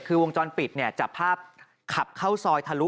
คือวงจรปิดเนี่ยจับภาพขับเข้าซอยทะลุ